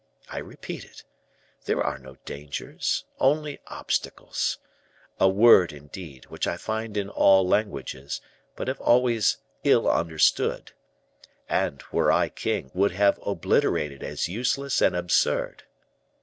I repeat it, there are no dangers, only obstacles; a word, indeed, which I find in all languages, but have always ill understood, and, were I king, would have obliterated as useless and absurd."